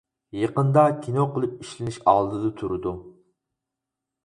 يېقىندا كىنو قىلىپ ئىشلىنىش ئالدىدا تۇرىدۇ.